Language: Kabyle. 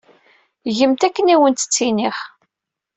Gemt akken ay awent-ttiniɣ.